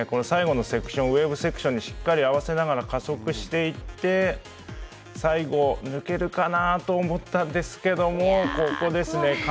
最後のセクションウエーブセクションにしっかり合わせながら加速していって最後、抜けるかなと思ったんですがここですね。